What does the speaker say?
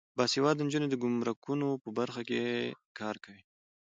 باسواده نجونې د ګمرکونو په برخه کې کار کوي.